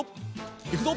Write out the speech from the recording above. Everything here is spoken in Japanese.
いくぞ。